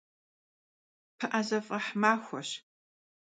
Pı'ezef'eh maxueş.